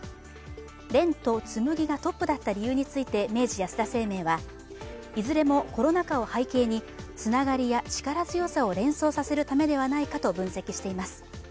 「蓮」と「紬」がトップだった理由について明治安田生命はいずれもコロナ禍を背景につながりや力強さを連想させるためではないかと分析しています。